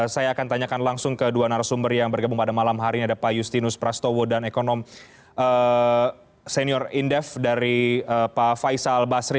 saya akan tanyakan langsung ke dua narasumber yang bergabung pada malam hari ini ada pak justinus prastowo dan ekonom senior indef dari pak faisal basri